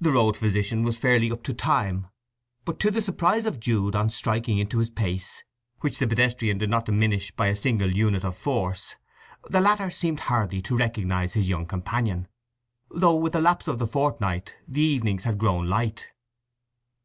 The road physician was fairly up to time; but, to the surprise of Jude on striking into his pace, which the pedestrian did not diminish by a single unit of force, the latter seemed hardly to recognize his young companion, though with the lapse of the fortnight the evenings had grown light.